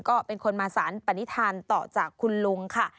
ก็เป็นคนมาสารปณิธานต่อจากคุณลุงค่ะ